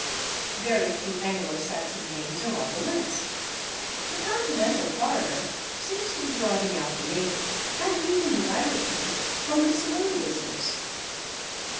Very few Anglo Saxon names are on the list; the continental foreigner seems to be driving out the native, and even the Irishman, from the saloon business.